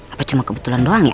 apa cuma kebetulan doang ya